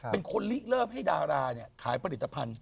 เป็นคนลิเริ่มให้ดาราขายผลิตภัณฑ์